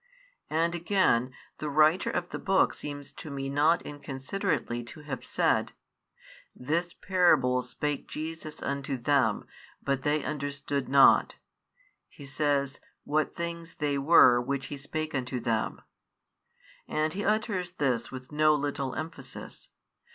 And again, the writer of the Book seems to me not inconsiderately to have said: This parable spake Jesus unto them: but they understood not, he says, what things they were which He spake unto them; and he utters this with no little emphasis.